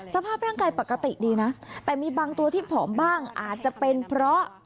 สภาพร่างกายปกติดีนะแต่มีบางตัวที่ผอมบ้างอาจจะเป็นเพราะ